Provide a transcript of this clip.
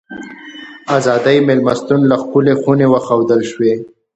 ازادۍ مېلمستون کې ښکلې خونې وښودل شوې.